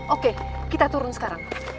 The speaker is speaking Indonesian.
oke kita turun sekarang